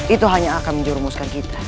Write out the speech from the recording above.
itu hanya akan menjurumuskan kita